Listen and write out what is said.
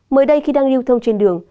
mới đây khi đang liêu thông trên đường